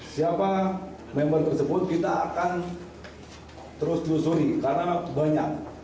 siapa member tersebut kita akan terus telusuri karena banyak